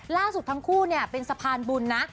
ล่าสุดทั้งคู่เนี่ยเป็นสะพานบุญนะ